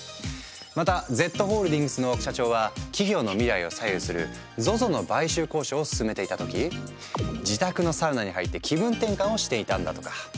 またＺホールディングスの社長は企業の未来を左右するＺＯＺＯの買収交渉を進めていた時自宅のサウナに入って気分転換をしていたんだとか。